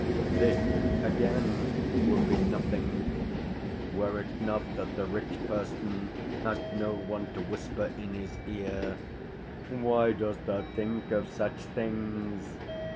This, again, would be nothing, were it not that the rich person has no one to whisper in his ear: "Why dost thou think of such things?